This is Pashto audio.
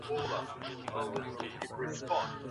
ځيني ئې واجب، ځيني ئې مندوب او ځيني ئې مباح دي.